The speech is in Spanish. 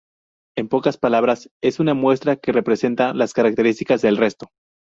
En pocas palabras es una muestra, que representa las características del resto.